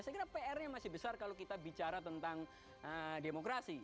saya kira pr nya masih besar kalau kita bicara tentang demokrasi